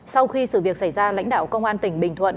sau khi sự việc xảy ra lãnh đạo công an tỉnh bình thuận